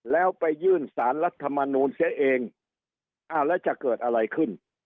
แล้วไปยื่นสารรัฐมนูลเสียเองอ้าวแล้วจะเกิดอะไรขึ้น